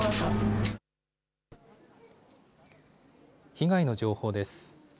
被害の情報です。